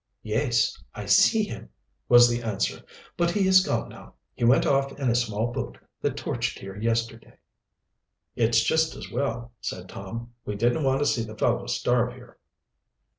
"Yes, I see him," was the answer. "But he is gone now. He went off in a small boat that torched here yesterday." "It's just as well," said Tom. "We didn't want to see the fellow starve here."